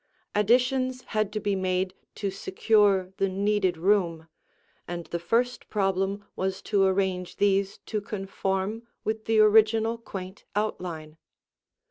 Additions had to be made to secure the needed room, and the first problem was to arrange these to conform with the original quaint outline.